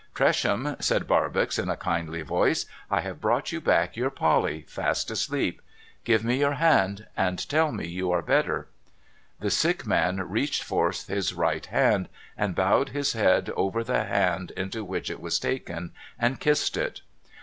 ' Tresham,' said Barbox in a kindly voice, ' I have brought you back your Polly, fast asleep. Give me your hand, and tell me you are better.' The sick man reached forth his right hand, and bowed his head 448 MUGBY JUNCTION over the hand into which it was taken, and kissed it.